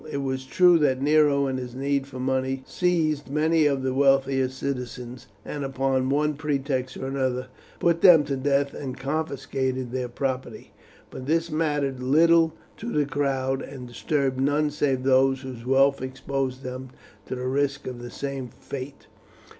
It was true that Nero, in his need for money, seized many of the wealthier citizens, and, upon one pretext or other, put them to death and confiscated their property; but this mattered little to the crowd, and disturbed none save those whose wealth exposed them to the risk of the same fate.